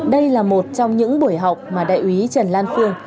đây là một trong những buổi học mà đại úy trần lan phương